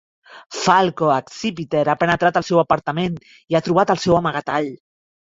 Falco Accipiter ha penetrat al seu apartament i ha trobat el seu amagatall.